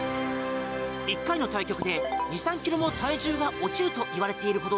１回の対局で２３ｋｇも体重が落ちるといわれているほど